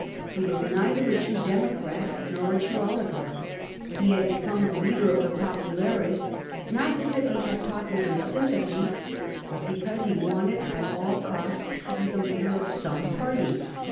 He was neither a true Democrat nor a true Oligarch. He had become the leader of the populares not because he had popular sympathies, but because he wanted at all costs to 192 CRASSUS be the leader of some party.